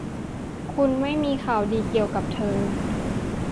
คุณไม่มีข่าวดีเกี่ยวกับเธอ